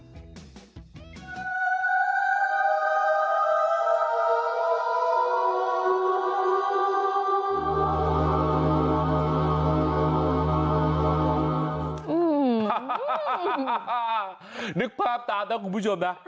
อื้อหือนึกภาพตามแล้วคุณผู้ชมนะ